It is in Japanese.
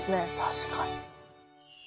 確かに。